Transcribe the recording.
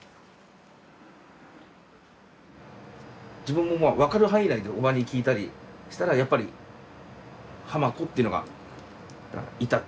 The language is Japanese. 自分も分かる範囲内で叔母に聞いたりしたらやっぱり「ハマコ」っていうのがいた。